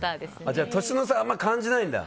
じゃあ年の差はあんまり感じないんだ。